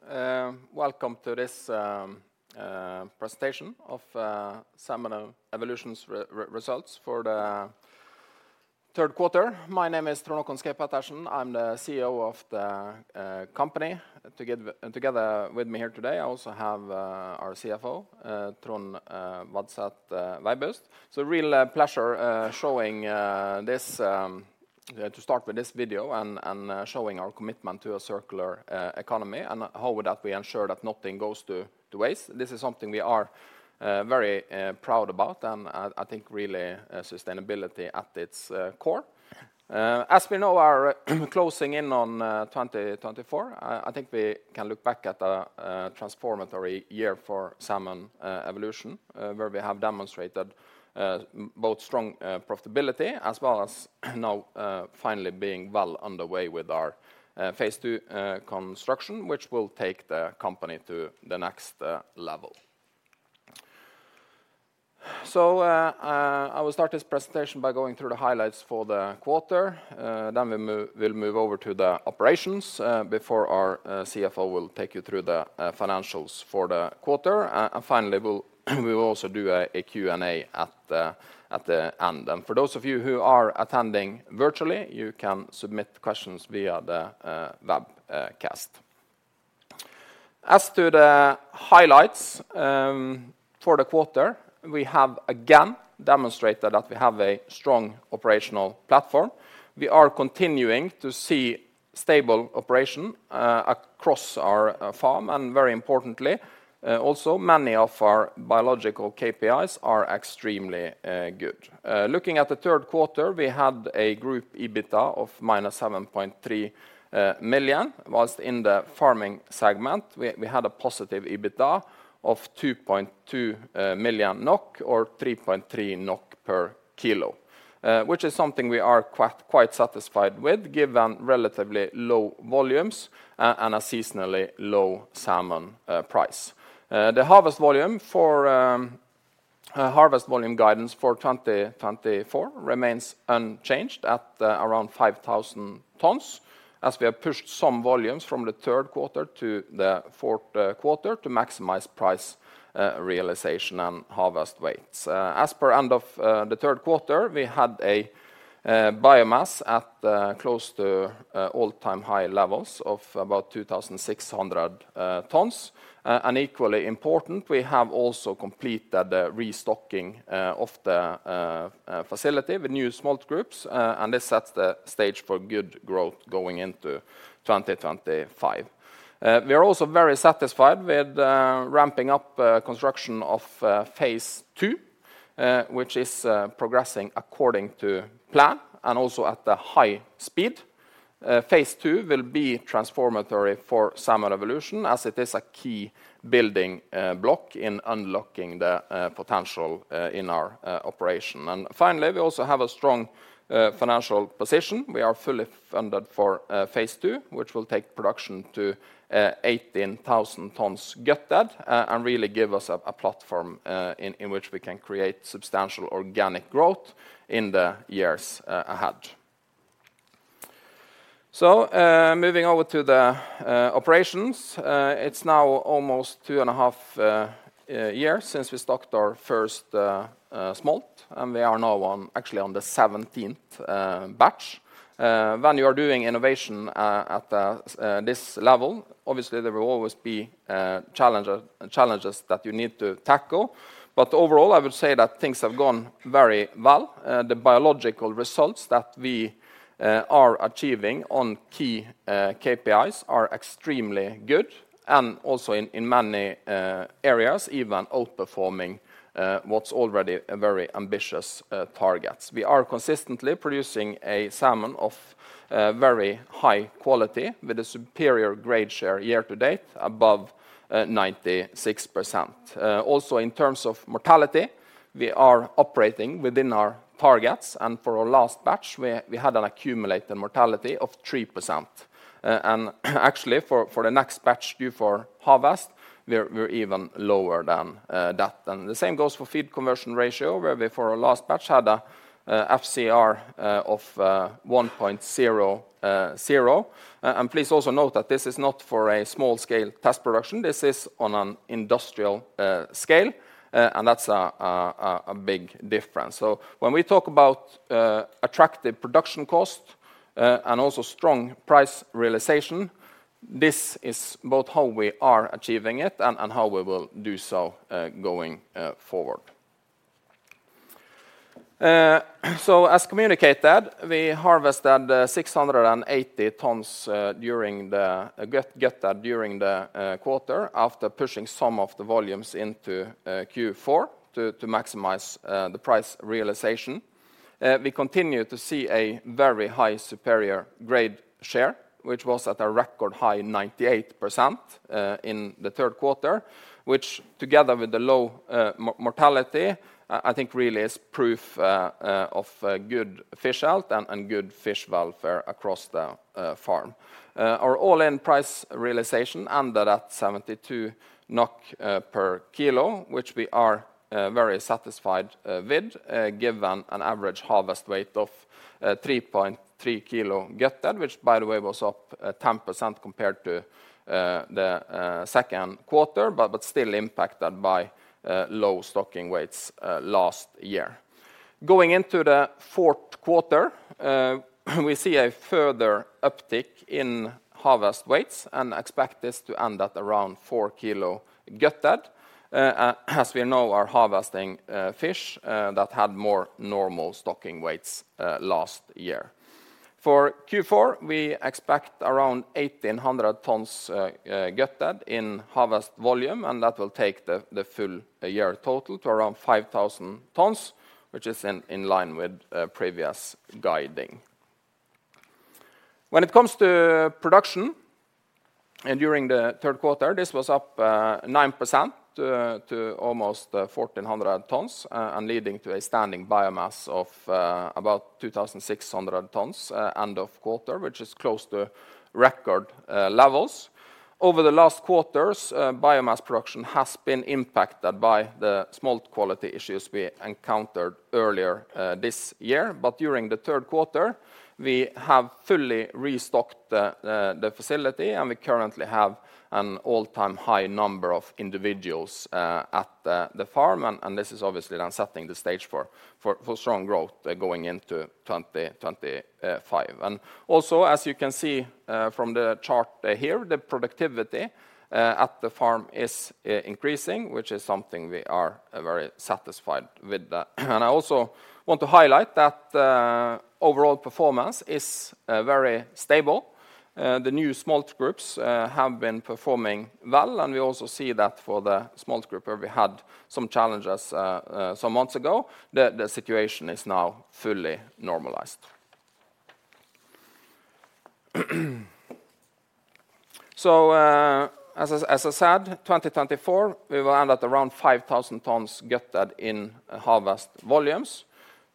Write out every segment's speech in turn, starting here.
Hey, everyone. Welcome to this presentation of Salmon Evolution's results for the third quarter. My name is Trond Håkon Schaug-Pettersen. I'm the CEO of the company. Together with me here today, I also have our CFO, Trond Vadset Veibust. So, it's a real pleasure showing this, to start with this video and showing our commitment to a circular economy and how we ensure that nothing goes to waste. This is something we are very proud about, and I think really sustainability at its core. As we know, we are closing in on 2024. I think we can look back at a transformative year for Salmon Evolution, where we have demonstrated both strong profitability as well as now finally being well underway with our phase II construction, which will take the company to the next level. I will start this presentation by going through the highlights for the quarter. Then we will move over to the operations, before our CFO will take you through the financials for the quarter. Finally, we'll also do a Q&A at the end. For those of you who are attending virtually, you can submit questions via the webcaster. As to the highlights for the quarter, we have again demonstrated that we have a strong operational platform. We are continuing to see stable operation across our farm. Very importantly, many of our biological KPIs are extremely good. Looking at the third quarter, we had a group EBITDA of -7.3 million NOK. While in the farming segment, we had a positive EBITDA of 2.2 million NOK or 3.3 NOK per kilo, which is something we are quite, quite satisfied with given relatively low volumes and a seasonally low salmon price. The harvest volume guidance for 2024 remains unchanged at around 5,000 tons, as we have pushed some volumes from the third quarter to the fourth quarter to maximize price realization and harvest weights. As per end of the third quarter, we had a biomass at close to all-time high levels of about 2,600 tons. And equally important, we have also completed the restocking of the facility with new smolt groups. And this sets the stage for good growth going into 2025. We are also very satisfied with ramping up construction of phase II, which is progressing according to plan and also at a high speed. Phase II will be transformative for Salmon Evolution as it is a key building block in unlocking the potential in our operation, and finally, we also have a strong financial position. We are fully funded for phase II, which will take production to 18,000 tons gutted and really give us a platform in which we can create substantial organic growth in the years ahead. So, moving over to the operations, it's now almost two and a half years since we stocked our first smolt, and we are now actually on the 17th batch. When you are doing innovation at this level, obviously there will always be challenges that you need to tackle. But overall, I would say that things have gone very well. The biological results that we are achieving on key KPIs are extremely good and also in many areas even outperforming what's already a very ambitious target. We are consistently producing a salmon of very high quality with a superior grade share year to date above 96%. Also in terms of mortality, we are operating within our targets, and for our last batch, we had an accumulated mortality of 3%, and actually for the next batch due for harvest, we're even lower than that, and the same goes for feed conversion ratio, where we for our last batch had a FCR of 1.00, and please also note that this is not for a small scale test production. This is on an industrial scale, and that's a big difference. So when we talk about attractive production cost and also strong price realization, this is both how we are achieving it and how we will do so going forward. As communicated, we harvested 680 tons gutted during the quarter after pushing some of the volumes into Q4 to maximize the price realization. We continue to see a very high superior grade share, which was at a record high 98% in the third quarter, which together with the low mortality I think really is proof of good fish health and good fish welfare across the farm. Our all-in price realization ended at 72 NOK per kilo, which we are very satisfied with, given an average harvest weight of 3.3 kilo gutted, which by the way was up 10% compared to the second quarter, but still impacted by low stocking weights last year. Going into the fourth quarter, we see a further uptick in harvest weights and expect this to end at around four kilo gutted. As we know, our harvesting fish that had more normal stocking weights last year. For Q4, we expect around 1,800 tons gutted in harvest volume, and that will take the full year total to around 5,000 tons, which is in line with previous guidance. When it comes to production and during the third quarter, this was up 9% to almost 1,400 tons, and leading to a standing biomass of about 2,600 tons end of quarter, which is close to record levels. Over the last quarters, biomass production has been impacted by the smolt quality issues we encountered earlier this year. But during the third quarter, we have fully restocked the facility, and we currently have an all-time high number of individuals at the farm. And this is obviously then setting the stage for strong growth going into 2025. And also, as you can see from the chart here, the productivity at the farm is increasing, which is something we are very satisfied with. And I also want to highlight that overall performance is very stable. The new smolt groups have been performing well, and we also see that for the smolt group, where we had some challenges some months ago, the situation is now fully normalized. So, as I said, 2024 we will end at around 5,000 tons gutted in harvest volumes.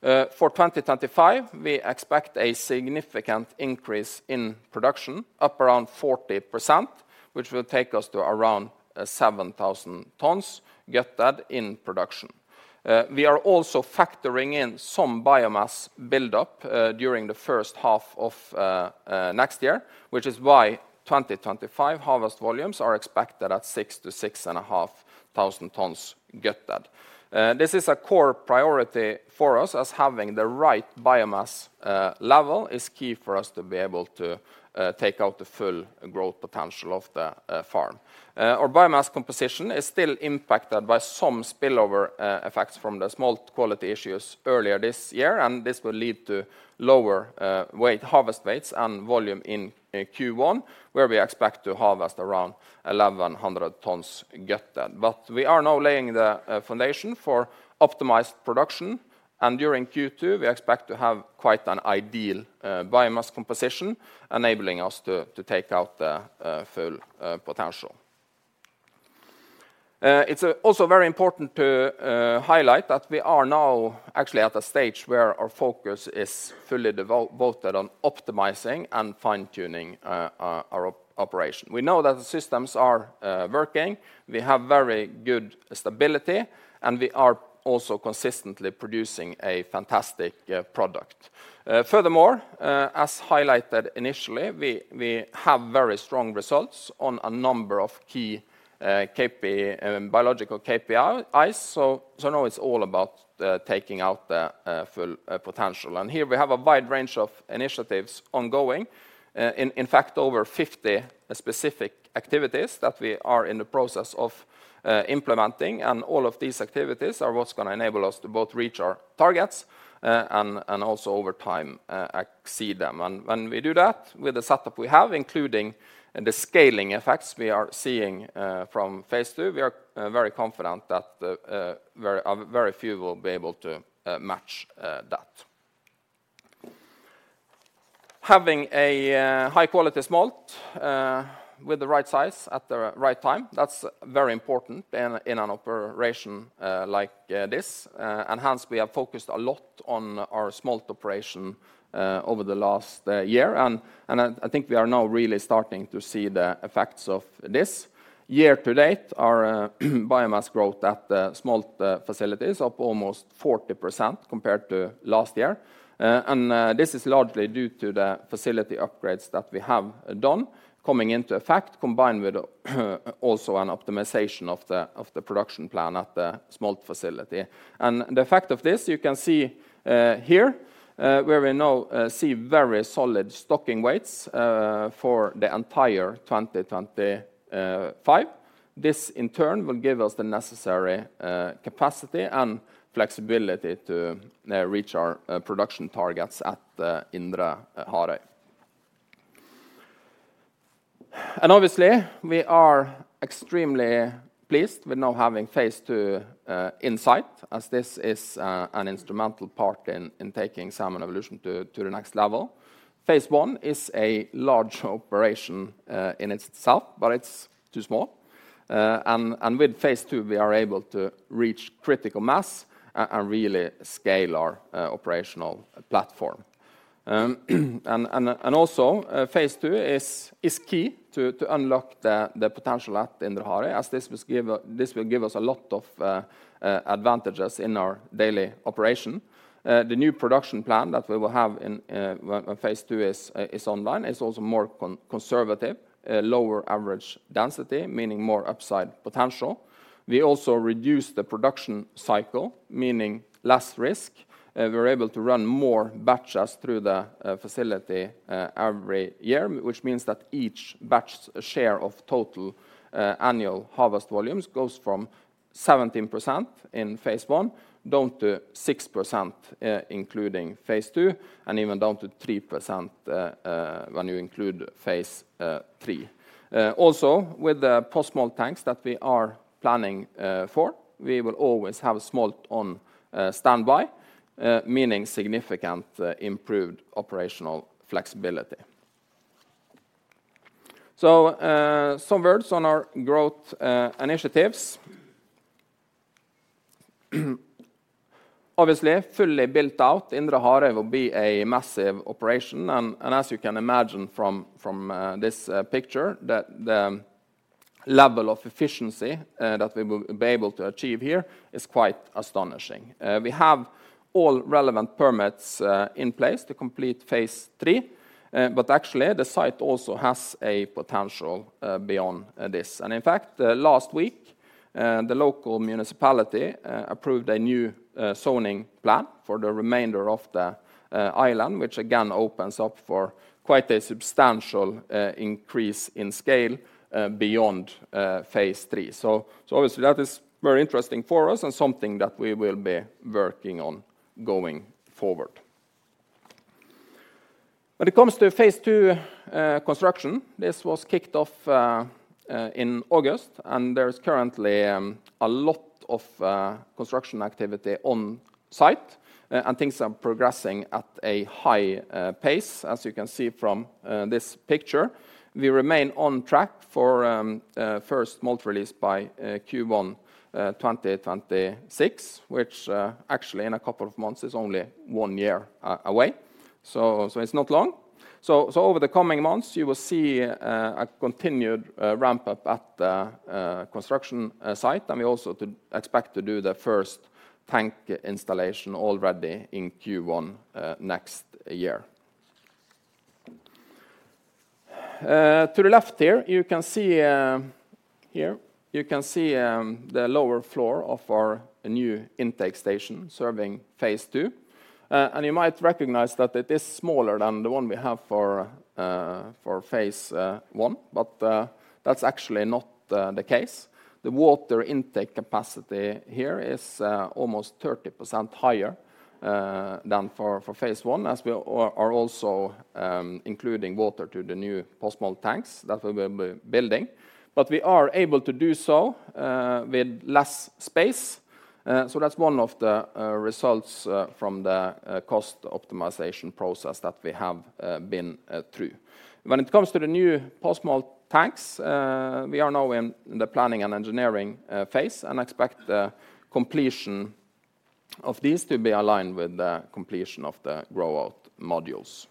For 2025, we expect a significant increase in production, up around 40%, which will take us to around 7,000 tons gutted in production. We are also factoring in some biomass buildup during the first half of next year, which is why 2025 harvest volumes are expected at six to six and a half thousand tons gutted. This is a core priority for us, as having the right biomass level is key for us to be able to take out the full growth potential of the farm. Our biomass composition is still impacted by some spillover effects from the smolt quality issues earlier this year, and this will lead to lower weight harvest weights and volume in Q1, where we expect to harvest around 1,100 tons gutted. But we are now laying the foundation for optimized production, and during Q2, we expect to have quite an ideal biomass composition, enabling us to take out the full potential. It's also very important to highlight that we are now actually at a stage where our focus is fully devoted on optimizing and fine-tuning our operation. We know that the systems are working. We have very good stability, and we are also consistently producing a fantastic product. Furthermore, as highlighted initially, we have very strong results on a number of key KPIs, biological KPIs. So now it's all about taking out the full potential. And here we have a wide range of initiatives ongoing, in fact, over 50 specific activities that we are in the process of implementing. All of these activities are what's gonna enable us to both reach our targets, and, and also over time, exceed them. When we do that with the setup we have, including the scaling effects we are seeing from phase II, we are very confident that very, very few will be able to match that. Having a high quality smolt with the right size at the right time, that's very important in an operation like this. Hence we have focused a lot on our smolt operation over the last year. I think we are now really starting to see the effects of this. Year to date, our biomass growth at the smolt facilities is up almost 40% compared to last year. And, this is largely due to the facility upgrades that we have done coming into effect, combined with also an optimization of the production plan at the smolt facility. And the effect of this, you can see here, where we now see very solid stocking weights for the entire 2025. This in turn will give us the necessary capacity and flexibility to reach our production targets at Indre Harøy. And obviously, we are extremely pleased with now having phase II in sight, as this is an instrumental part in taking Salmon Evolution to the next level. Phase I is a large operation in itself, but it's too small. And with phase II, we are able to reach critical mass and really scale our operational platform. Also, phase II is key to unlock the potential at Indre Harøy, as this will give us a lot of advantages in our daily operation. The new production plan that we will have in when phase II is online is also more conservative, lower average density, meaning more upside potential. We also reduce the production cycle, meaning less risk. We're able to run more batches through the facility every year, which means that each batch share of total annual harvest volumes goes from 17% in phase I down to 6%, including phase II, and even down to 3%, when you include phase III. Also with the post smolt tanks that we are planning for, we will always have a smolt on standby, meaning significantly improved operational flexibility. So, some words on our growth initiatives. Obviously, fully built out, Indre Harøy will be a massive operation, and as you can imagine from this picture, the level of efficiency that we will be able to achieve here is quite astonishing. We have all relevant permits in place to complete phase III, but actually the site also has a potential beyond this, and in fact, last week the local municipality approved a new zoning plan for the remainder of the island, which again opens up for quite a substantial increase in scale beyond phase III, so obviously that is very interesting for us and something that we will be working on going forward. When it comes to phase II construction, this was kicked off in August, and there's currently a lot of construction activity on site, and things are progressing at a high pace. As you can see from this picture, we remain on track for first smolt release by Q1 2026, which actually in a couple of months is only one year away. So it's not long. So over the coming months, you will see a continued ramp up at the construction site, and we also expect to do the first tank installation already in Q1 next year. To the left here, you can see the lower floor of our new intake station serving phase II. You might recognize that it is smaller than the one we have for phase I, but that's actually not the case. The water intake capacity here is almost 30% higher than for phase I, as we are also including water to the new post smolt tanks that we will be building. But we are able to do so with less space. So that's one of the results from the cost optimization process that we have been through. When it comes to the new post smolt tanks, we are now in the planning and engineering phase and expect the completion of these to be aligned with the completion of the grow out modules.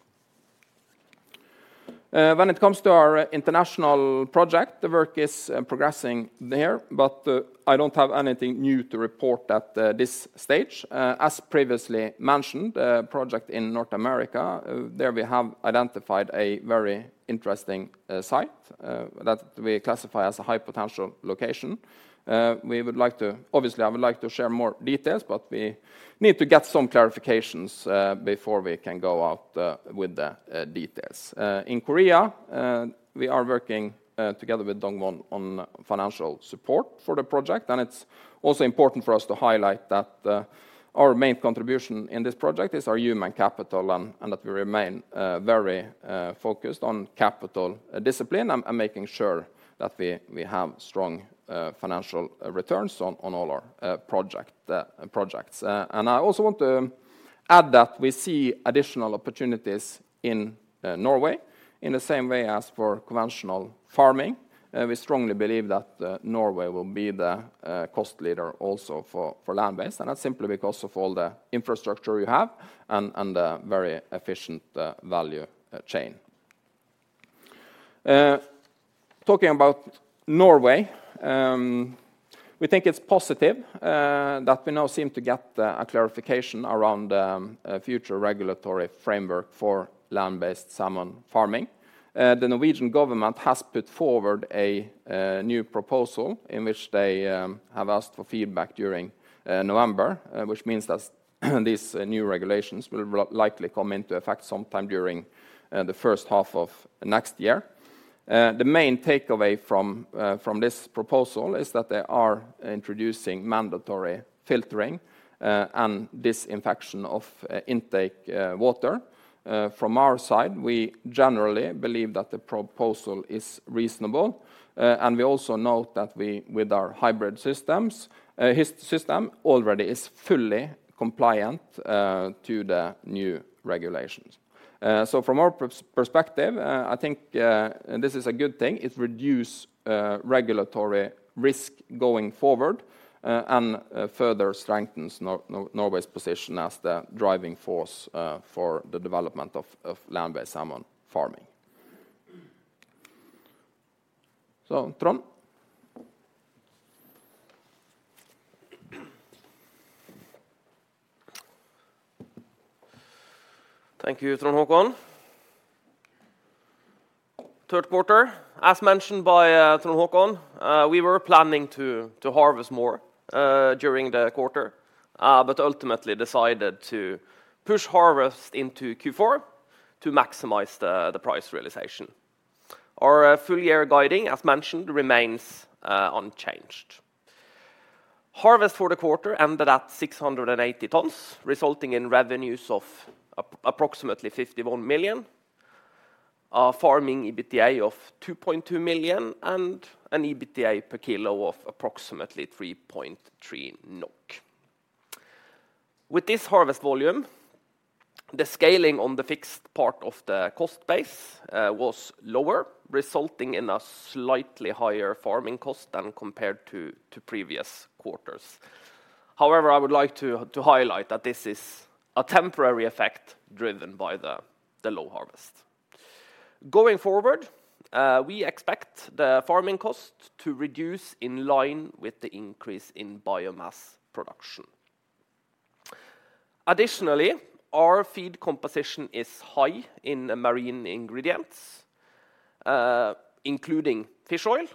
When it comes to our international project, the work is progressing there, but I don't have anything new to report at this stage. As previously mentioned, project in North America, there we have identified a very interesting site that we classify as a high potential location. We would like to, obviously, I would like to share more details, but we need to get some clarifications before we can go out with the details. In Korea, we are working together with Dongwon on financial support for the project, and it's also important for us to highlight that our main contribution in this project is our human capital and that we remain very focused on capital discipline and making sure that we have strong financial returns on all our projects. I also want to add that we see additional opportunities in Norway in the same way as for conventional farming. We strongly believe that Norway will be the cost leader also for land-based, and that's simply because of all the infrastructure we have and a very efficient value chain. Talking about Norway, we think it's positive that we now seem to get a clarification around a future regulatory framework for land-based salmon farming. The Norwegian government has put forward a new proposal in which they have asked for feedback during November, which means that these new regulations will likely come into effect sometime during the first half of next year. The main takeaway from this proposal is that they are introducing mandatory filtering and disinfection of intake water. From our side, we generally believe that the proposal is reasonable. And we also note that we with our hybrid systems already is fully compliant to the new regulations. So from our perspective, I think this is a good thing. It reduces regulatory risk going forward and further strengthens Norway's position as the driving force for the development of land based salmon farming. So, Trond. Thank you, Trond Håkon. Third quarter, as mentioned by Trond Håkon, we were planning to harvest more during the quarter, but ultimately decided to push harvest into Q4 to maximize the price realization. Our full year guiding, as mentioned, remains unchanged. Harvest for the quarter ended at 680 tons, resulting in revenues of approximately 51 million NOK, a farming EBITDA of 2.2 million NOK, and an EBITDA per kilo of approximately 3.3 NOK. With this harvest volume, the scaling on the fixed part of the cost base was lower, resulting in a slightly higher farming cost than compared to previous quarters. However, I would like to highlight that this is a temporary effect driven by the low harvest. Going forward, we expect the farming cost to reduce in line with the increase in biomass production. Additionally, our feed composition is high in marine ingredients, including fish oil.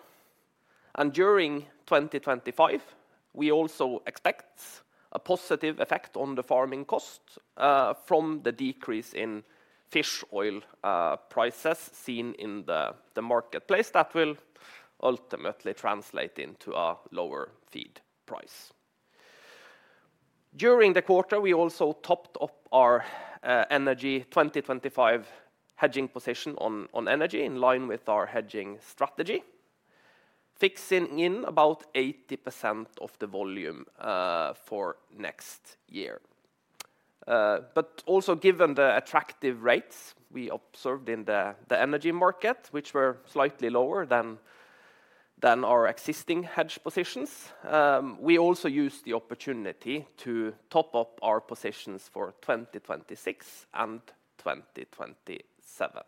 During 2025, we also expect a positive effect on the farming cost from the decrease in fish oil prices seen in the marketplace that will ultimately translate into a lower feed price. During the quarter, we also topped up our energy 2025 hedging position on energy in line with our hedging strategy, fixing in about 80% of the volume for next year, but also given the attractive rates we observed in the energy market, which were slightly lower than our existing hedge positions, we also used the opportunity to top up our positions for 2026 and 2027.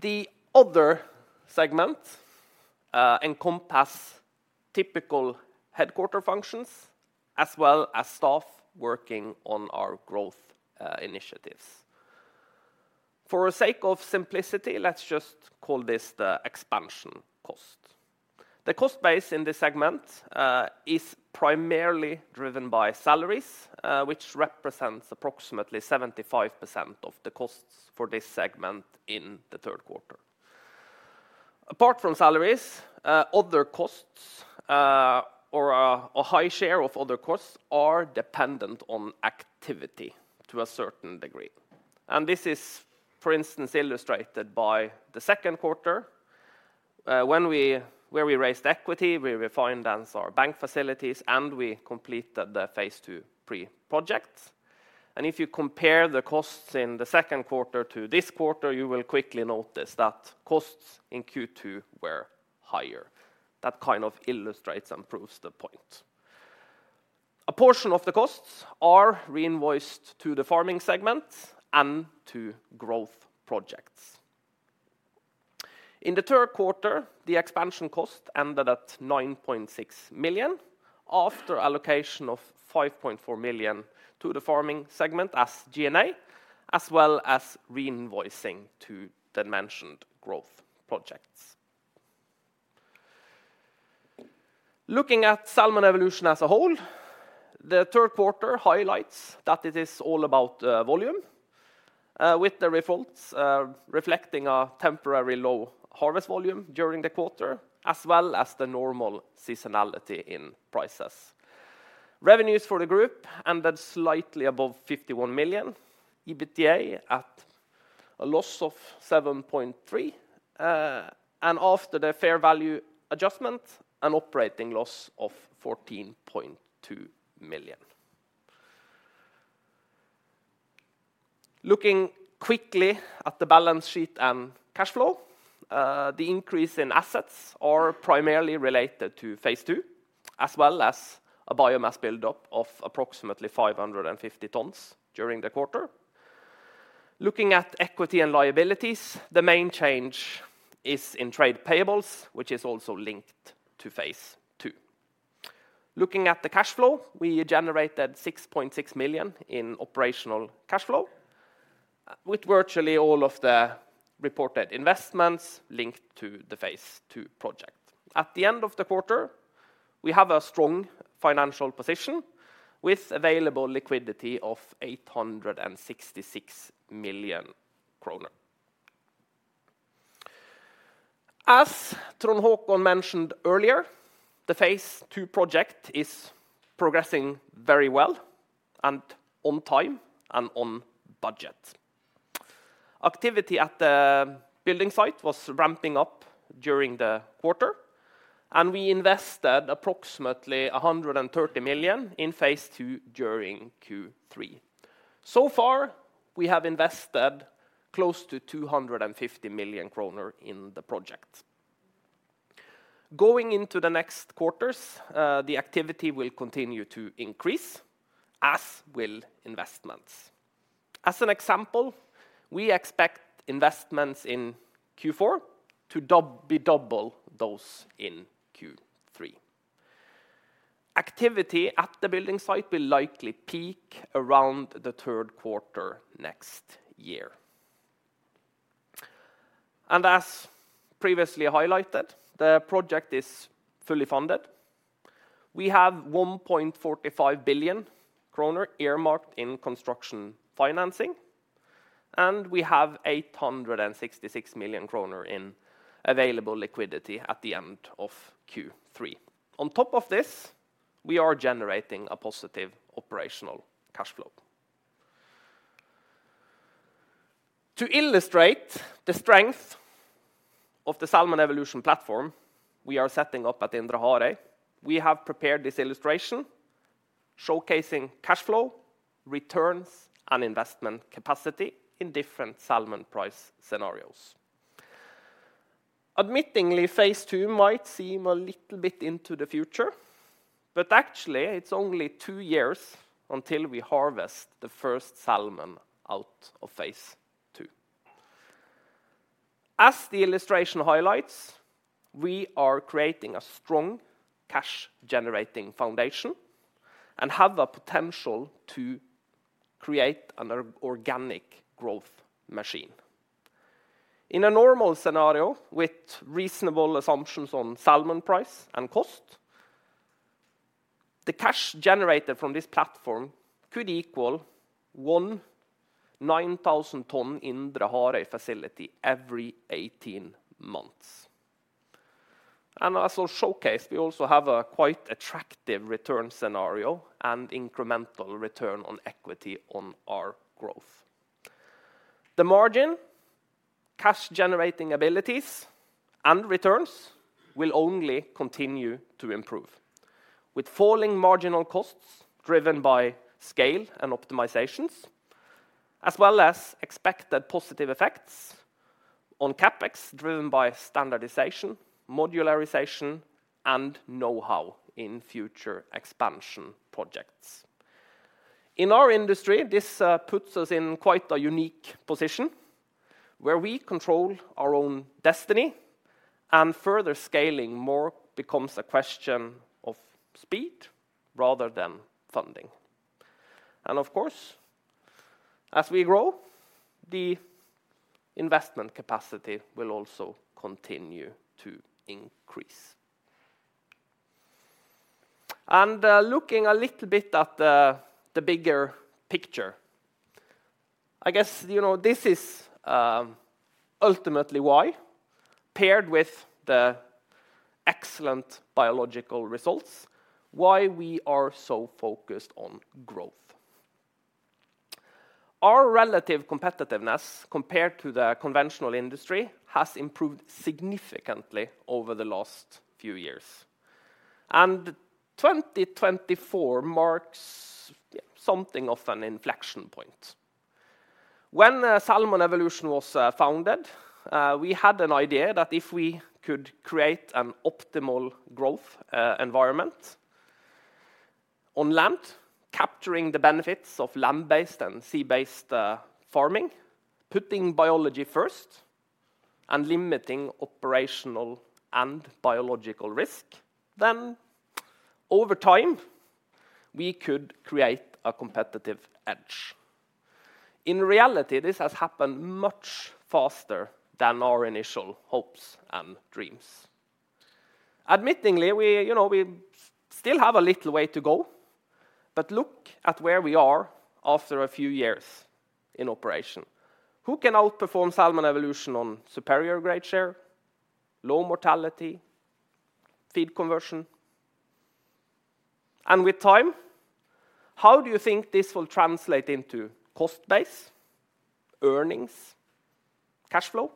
The other segment encompasses typical headquarters functions as well as staff working on our growth initiatives. For the sake of simplicity, let's just call this the expansion cost. The cost base in this segment is primarily driven by salaries, which represents approximately 75% of the costs for this segment in the third quarter. Apart from salaries, other costs, or a high share of other costs, are dependent on activity to a certain degree. This is, for instance, illustrated by the second quarter, when we raised equity, we refinanced our bank facilities and we completed the phase II pre-project. If you compare the costs in the second quarter to this quarter, you will quickly notice that costs in Q2 were higher. That kind of illustrates and proves the point. A portion of the costs are reinvoiced to the farming segment and to growth projects. In the third quarter, the expansion cost ended at 9.6 million after allocation of 5.4 million to the farming segment as G&A, as well as reinvoicing to the mentioned growth projects. Looking at Salmon Evolution as a whole, the third quarter highlights that it is all about volume, with the results reflecting a temporary low harvest volume during the quarter, as well as the normal seasonality in prices. Revenues for the group ended slightly above 51 million, EBITDA at a loss of 7.3 million, and after the fair value adjustment, an operating loss of 14.2 million. Looking quickly at the balance sheet and cash flow, the increase in assets are primarily related to phase II, as well as a biomass buildup of approximately 550 tons during the quarter. Looking at equity and liabilities, the main change is in trade payables, which is also linked to phase II. Looking at the cash flow, we generated 6.6 million in operational cash flow, with virtually all of the reported investments linked to the phase II project. At the end of the quarter, we have a strong financial position with available liquidity of 866 million kroner. As Trond Håkon mentioned earlier, the phase II project is progressing very well and on time and on budget. Activity at the building site was ramping up during the quarter, and we invested approximately 130 million in phase II during Q3. So far, we have invested close to 250 million kroner in the project. Going into the next quarters, the activity will continue to increase as will investments. As an example, we expect investments in Q4 to double, be double those in Q3. Activity at the building site will likely peak around the third quarter next year. As previously highlighted, the project is fully funded. We have 1.45 billion kroner earmarked in construction financing, and we have 866 million kroner in available liquidity at the end of Q3. On top of this, we are generating a positive operational cash flow. To illustrate the strength of the Salmon Evolution Platform we are setting up at Indre Harøy, we have prepared this illustration showcasing cash flow, returns, and investment capacity in different salmon price scenarios. Admittedly, phase II might seem a little bit into the future, but actually it's only two years until we harvest the first salmon out of phase II. As the illustration highlights, we are creating a strong cash generating foundation and have a potential to create an organic growth machine. In a normal scenario, with reasonable assumptions on salmon price and cost, the cash generated from this platform could equal one 9,000-ton Indre Harøy facility every 18 months, and as I'll showcase, we also have a quite attractive return scenario and incremental return on equity on our growth. The margin, cash generating abilities, and returns will only continue to improve with falling marginal costs driven by scale and optimizations, as well as expected positive effects on CapEx driven by standardization, modularization, and know-how in future expansion projects. In our industry, this puts us in quite a unique position where we control our own destiny, and further scaling more becomes a question of speed rather than funding, and of course, as we grow, the investment capacity will also continue to increase. Looking a little bit at the bigger picture, I guess, you know, this is ultimately why, paired with the excellent biological results, why we are so focused on growth. Our relative competitiveness compared to the conventional industry has improved significantly over the last few years, and 2024 marks something of an inflection point. When Salmon Evolution was founded, we had an idea that if we could create an optimal growth environment on land, capturing the benefits of land based and sea based farming, putting biology first and limiting operational and biological risk, then over time we could create a competitive edge. In reality, this has happened much faster than our initial hopes and dreams. Admittedly, we, you know, we still have a little way to go, but look at where we are after a few years in operation. Who can outperform Salmon Evolution on superior grade share, low mortality, feed conversion? And with time, how do you think this will translate into cost base, earnings, cash flow?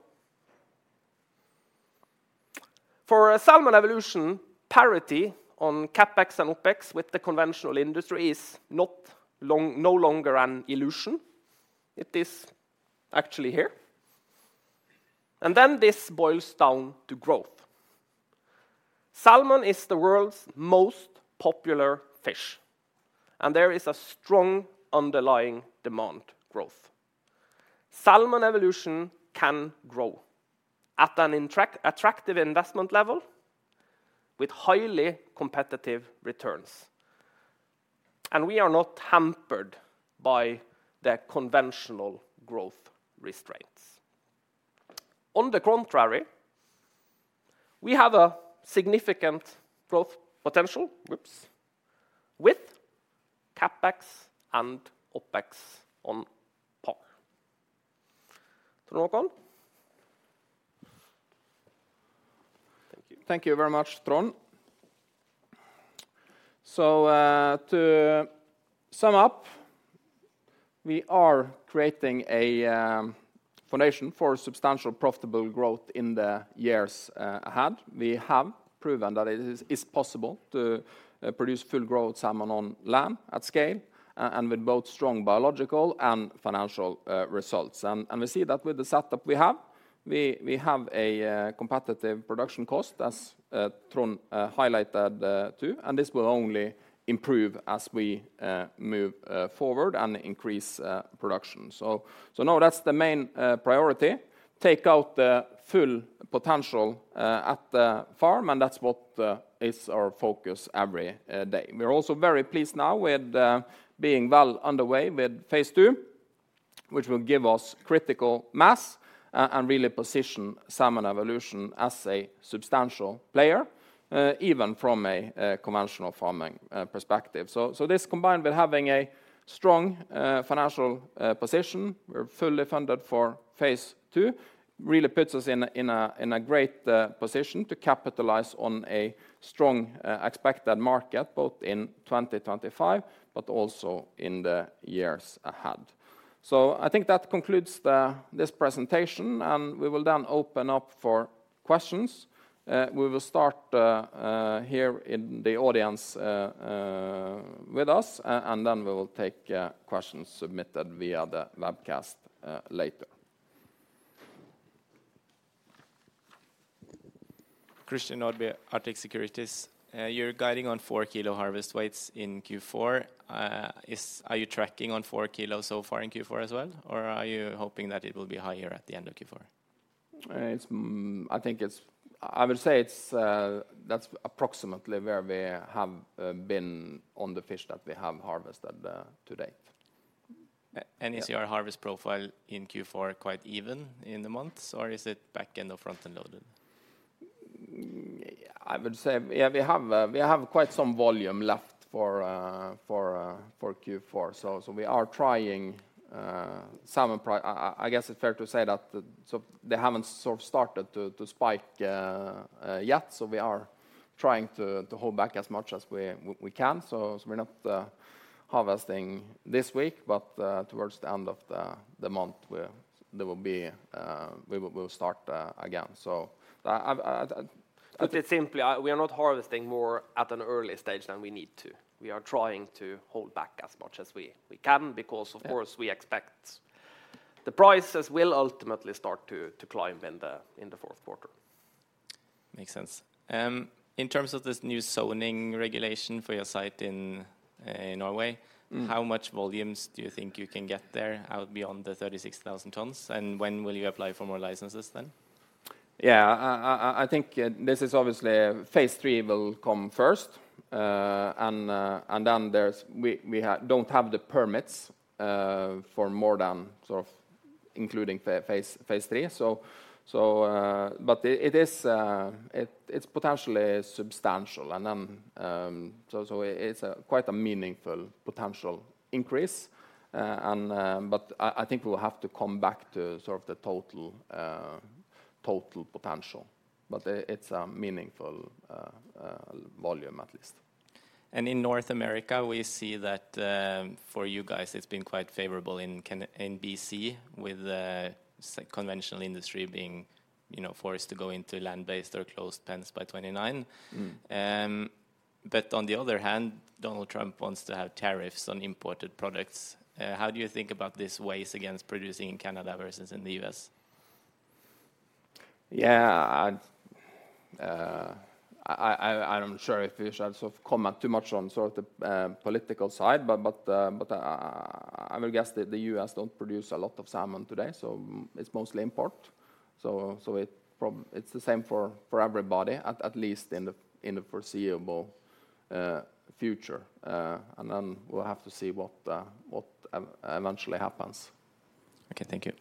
For Salmon Evolution, parity on CapEx and OpEx with the conventional industry is not long, no longer an illusion. It is actually here. And then this boils down to growth. Salmon is the world's most popular fish, and there is a strong underlying demand growth. Salmon Evolution can grow at an attractive investment level with highly competitive returns, and we are not hampered by the conventional growth restraints. On the contrary, we have a significant growth potential, whoops, with CapEx and OpEx on par. Trond Håkon. Thank you. Thank you very much, Trond. So, to sum up, we are creating a foundation for substantial profitable growth in the years ahead. We have proven that it is possible to produce full growth salmon on land at scale, and with both strong biological and financial results, and we see that with the setup we have, we have a competitive production cost, as Trond highlighted, too, and this will only improve as we move forward and increase production, so now that's the main priority: take out the full potential at the farm, and that's what is our focus every day. We are also very pleased now with being well underway with phase II, which will give us critical mass, and really position Salmon Evolution as a substantial player, even from a conventional farming perspective. So this combined with having a strong financial position, we're fully funded for phase II, really puts us in a great position to capitalize on a strong expected market both in 2025, but also in the years ahead. So I think that concludes this presentation, and we will then open up for questions. We will start here in the audience with us, and then we will take questions submitted via the webcast later. Christian Nordby, Arctic Securities, you're guiding on four kilo harvest weights in Q4. Are you tracking on four kilos so far in Q4 as well, or are you hoping that it will be higher at the end of Q4? It's approximately where we have been on the fish that we have harvested to date. Is your harvest profile in Q4 quite even in the months, or is it back-ended or front-end loaded? I would say, yeah, we have quite some volume left for Q4. So we are trying. Salmon prices, I guess it's fair to say that, so they haven't sort of started to spike yet. So we are trying to hold back as much as we can. So we're not harvesting this week, but towards the end of the month, we will start again. So I put it simply, we are not harvesting more at an early stage than we need to. We are trying to hold back as much as we can, because of course we expect the prices will ultimately start to climb in the fourth quarter. Makes sense. In terms of this new zoning regulation for your site in Norway, how much volumes do you think you can get there out beyond the 36,000 tons? And when will you apply for more licenses then? Yeah, I think this is obviously phase III will come first, and then there's we don't have the permits for more than sort of including phase III. So, but it is, it's potentially substantial. And then, so it's quite a meaningful potential increase, and, but I think we will have to come back to sort of the total potential, but it's a meaningful volume at least. In North America, we see that, for you guys, it's been quite favorable in B.C. with conventional industry being, you know, forced to go into land-based or closed pens by 2029. But on the other hand, Donald Trump wants to have tariffs on imported products. How do you think about this weighs against producing in Canada versus in the U.S.? Yeah, I'm not sure if we should sort of comment too much on sort of the political side, but I will guess that the U.S. don't produce a lot of salmon today, so it's mostly import. So it probably is the same for everybody, at least in the foreseeable future. And then we'll have to see what eventually happens. Okay, thank you.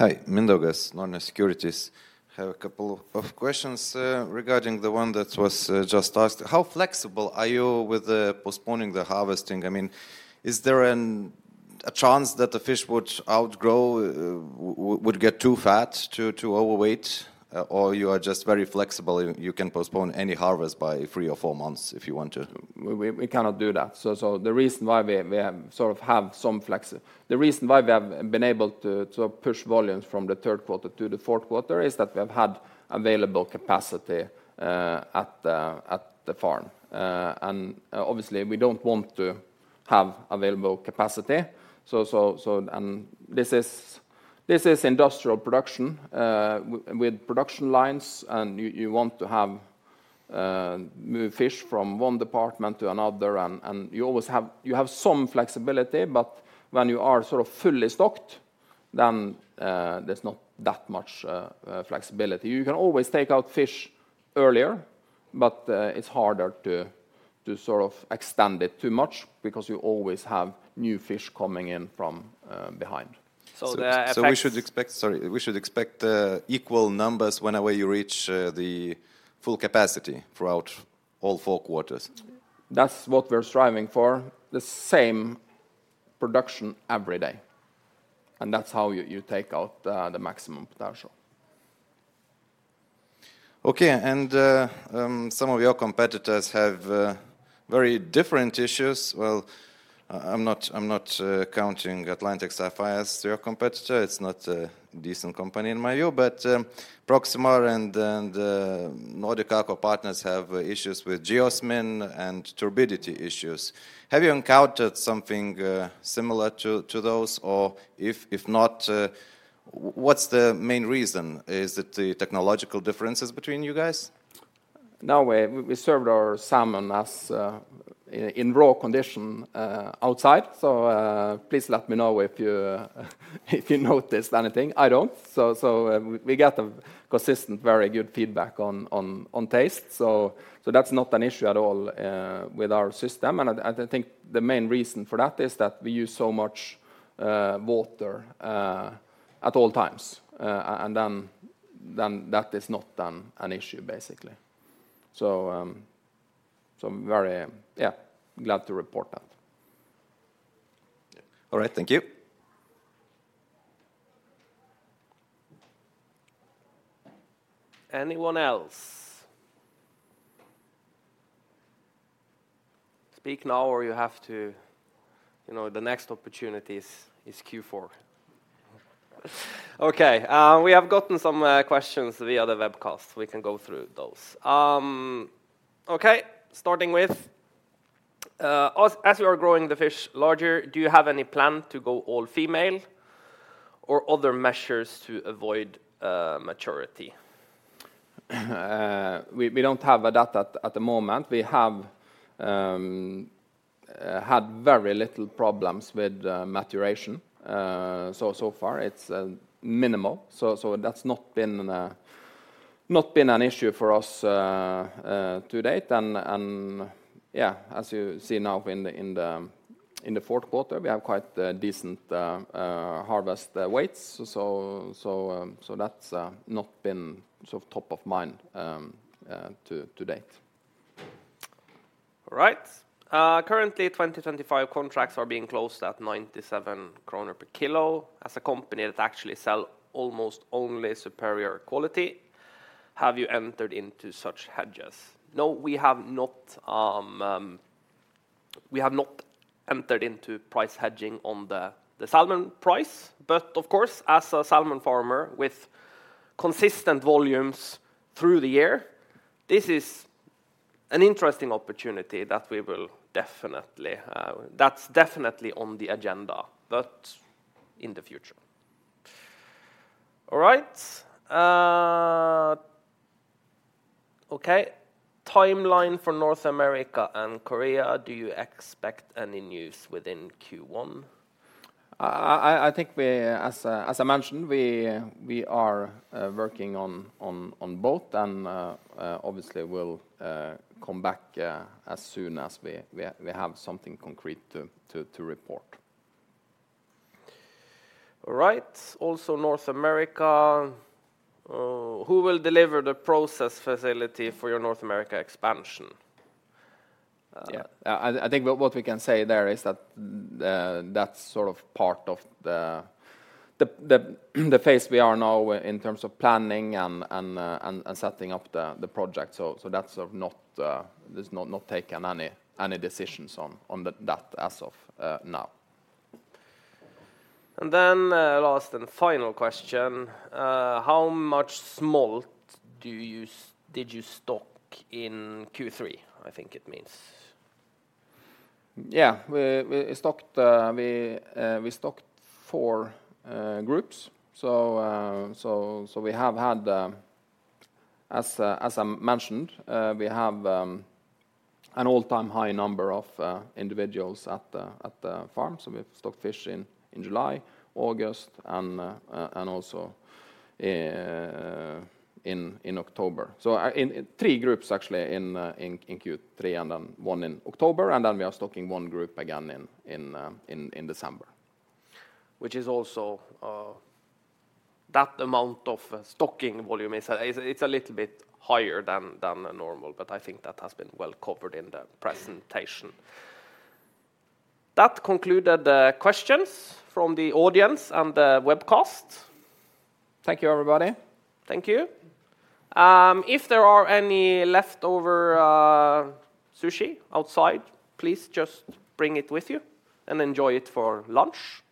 Hi, Mindaugas, Norne Securities. I have a couple of questions regarding the one that was just asked. How flexible are you with postponing the harvesting? I mean, is there a chance that the fish would outgrow, would get too fat to overweight, or you are just very flexible? You can postpone any harvest by three or four months if you want to. We cannot do that. So the reason why we have some flex, the reason why we have been able to push volumes from the third quarter to the fourth quarter is that we have had available capacity at the farm, and obviously we don't want to have available capacity. This is industrial production with production lines, and you want to move fish from one department to another, and you always have some flexibility, but when you are sort of fully stocked, then there's not that much flexibility. You can always take out fish earlier, but it's harder to sort of extend it too much because you always have new fish coming in from behind. We should expect equal numbers whenever you reach the full capacity throughout all four quarters. That's what we're striving for, the same production every day, and that's how you take out the maximum potential. Okay. Some of your competitors have very different issues. Well, I'm not counting Atlantic Sapphire to your competitor. It's not a decent company in my view, but Proximar and Nordic Aqua Partners have issues with geosmin and turbidity issues. Have you encountered something similar to those, or if not, what's the main reason? Is it the technological differences between you guys? No, we served our salmon as in raw condition outside. So please let me know if you noticed anything. I don't. So we get a consistent very good feedback on taste. So that's not an issue at all with our system. And I think the main reason for that is that we use so much water at all times and then that is not an issue basically. So very yeah glad to report that. All right, thank you. Anyone else? Speak now or you have to, you know, the next opportunity is Q4. Okay. We have gotten some questions via the webcast. We can go through those. Okay. Starting with, as you are growing the fish larger, do you have any plan to go all female or other measures to avoid maturity? We don't have data at the moment. We have had very little problems with maturation. So far it's minimal. So that's not been an issue for us, to date. And yeah, as you see now in the fourth quarter, we have quite decent harvest weights. So that's not been sort of top of mind, to date. All right. Currently 2025 contracts are being closed at 97 kroner per kilo as a company that actually sell almost only superior quality. Have you entered into such hedges? No, we have not. We have not entered into price hedging on the salmon price. But of course, as a salmon farmer with consistent volumes through the year, this is an interesting opportunity that we will definitely, that's definitely on the agenda, but in the future. All right. Okay. Timeline for North America and Korea, do you expect any news within Q1? I think we, as I mentioned, we are working on both and, obviously we'll come back, as soon as we have something concrete to report. All right. Also North America, who will deliver the process facility for your North America expansion? Yeah, I think what we can say there is that that's sort of part of the phase we are now in terms of planning and setting up the project. So that's sort of not; there's not taken any decisions on that as of now. And then last and final question, how much smolt did you stock in Q3? I think it means. Yeah, we stocked four groups. So we have had, as I mentioned, we have an all-time high number of individuals at the farm. So we've stocked fish in July, August, and also in October. So in three groups actually in Q3 and then one in October. And then we are stocking one group again in December, which is also that amount of stocking volume is, it's a little bit higher than normal, but I think that has been well covered in the presentation. That concluded the questions from the audience and the webcast. Thank you everybody. Thank you. If there are any leftover sushi outside, please just bring it with you and enjoy it for lunch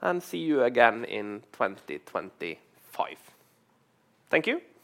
and see you again in 2025. Thank you.